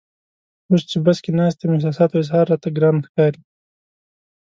اوس چې بس کې ناست یم احساساتو اظهار راته ګران ښکاري.